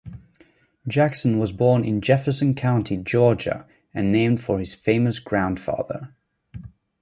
Jackson was born in Jefferson County, Georgia and named for his famous grandfather.